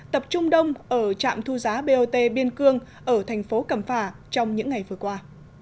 tập trung đông ở trạm thu giá bot biên cương ở thành phố cẩm phà trong những ngày vừa qua